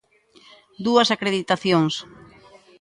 ¡Dúas acreditacións!